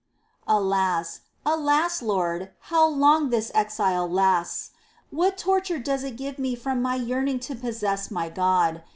Alas, alas. Lord ! how long this exile lasts ! What torture does it give me from my yearning to possess my God